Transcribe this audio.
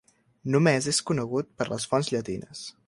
Només és conegut per les fonts llatines.